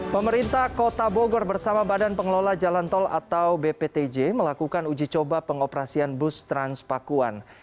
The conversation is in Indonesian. pemerintah kota bogor bersama badan pengelola jalan tol atau bptj melakukan uji coba pengoperasian bus transpakuan